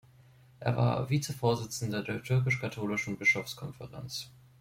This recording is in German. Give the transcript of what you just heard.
Er war Vizevorsitzender der Türkisch katholischen Bischofskonferenz.